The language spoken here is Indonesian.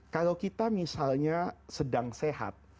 kalau kita misalnya sedang sehat